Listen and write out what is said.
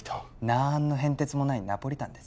なんの変哲もないナポリタンです